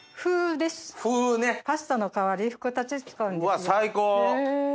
うわ最高！